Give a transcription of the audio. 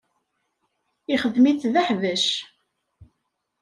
Ixedm-it d aḥbac.